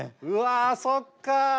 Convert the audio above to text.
うわそっか。